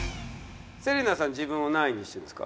芹那さん自分を何位にしてるんですか？